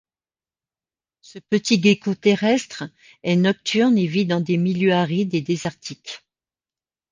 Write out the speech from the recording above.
Ce petit gecko terrestre est nocturne et vit dans des milieux arides et désertiques.